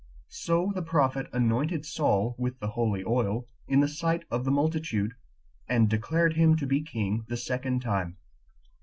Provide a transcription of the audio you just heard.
So the prophet anointed Saul with the holy oil in the sight of the multitude, and declared him to be king the second time.